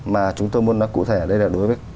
mà chúng tôi muốn nói cụ thể ở đây là đối với